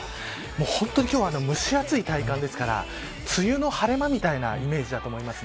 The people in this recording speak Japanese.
本当に今日は蒸し暑い体感ですから梅雨の晴れ間みたいなイメージだと思います。